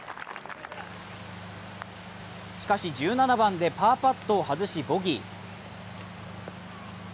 しかし１７番でパーパットを外し、ボギー。